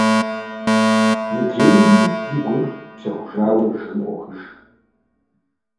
Мыдрейри, и гур псэхужауэ, жыгым къохыж…